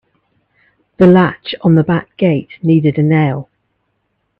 The latch on the back gate needed a nail.